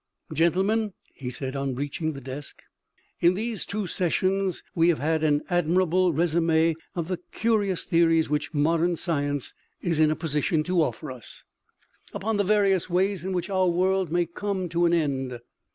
" Gentlemen," he said, on reaching the desk, " in these two sessions we have had an admirable resume of the curi ous theories which modern science is in a position to offer us, OMEGA. TOS upon the various ways in which our world may come to an end.